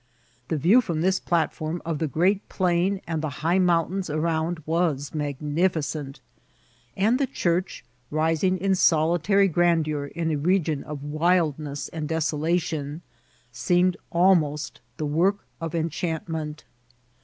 The view firom this platform of the great plain and the high mountains around was magnificent ; and the church, rising in solitary gran deur in a region of wildness and desolation, seemed al most the work of enchantment.